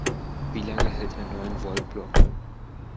Wie lange hält ein Neun-Volt-Block?